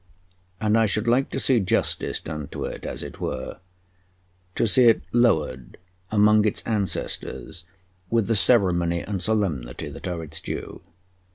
And I should like to see justice done to it, as it were to see it lowered among its ancestors with the ceremony and solemnity that are its due.